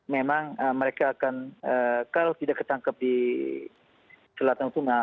memang mereka akan kalau tidak ketangkep di selatan sunga